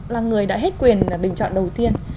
là người đã hết quyền bình chọn đầu tiên